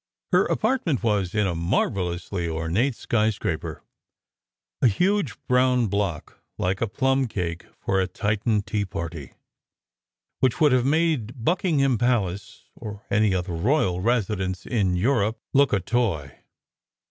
Her "apartment" was in a marvellously ornate sky SECRET HISTORY 165 scraper; a huge brown block like a plum cake for a Titan tea party, which would have made Buckingham Palace or any other royal residence in Europe look a toy.